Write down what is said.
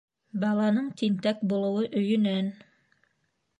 Баланың тинтәк булыуы өйөнән